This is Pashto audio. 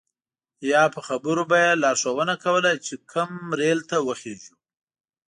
یا په خبرو به یې لارښوونه کوله چې کوم ریل ته وخیژو.